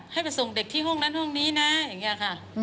ให้ไปส่งเด็กที่ห้องนั้นห้องนี้นะอย่างนี้ค่ะ